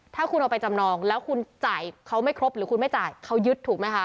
ถ้าคุณเอาไปจำนองแล้วคุณจ่ายเขาไม่ครบหรือคุณไม่จ่ายเขายึดถูกไหมคะ